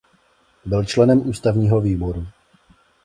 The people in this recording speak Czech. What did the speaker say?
Byl členem ústavního výboru.